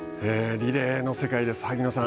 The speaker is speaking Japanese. リレーの世界です、萩野さん。